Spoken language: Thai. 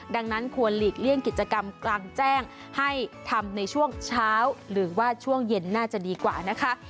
ดังนั้นควรหลีกเลี่ยงกิจกรรมกลางแจ้งให้ทำในช่วงเช้าหรือว่าช่วงเย็นน่าจะดีกว่านะคะ